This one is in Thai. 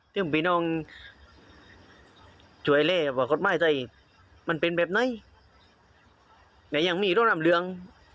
ที่มันไปน้องช่วยเล่ว่าเขาไม่ใช่มันเป็นแบบไหนไหนยังมีตัวน้ำเหลือง